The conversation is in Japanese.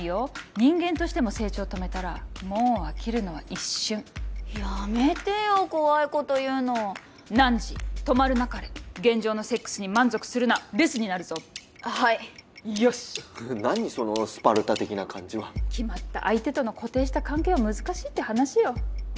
人間としても成長止めたらもう飽きるのは一瞬やめてよ怖いこと言うのなんじ止まるなかれ現状のセックスに満足するなレスになるぞはいよしっ何そのスパルタ的な感じは決まった相手との固定した関係は難しいって話よ